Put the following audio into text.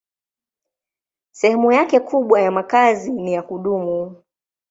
Sehemu kubwa ya makazi ni ya kudumu.